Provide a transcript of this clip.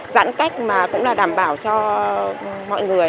giãn cách cũng là đảm bảo cho mọi người